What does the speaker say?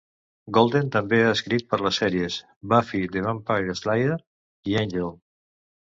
Golden també ha escrit per les sèries "Buffy the Vampire Slayer" i "Ángel".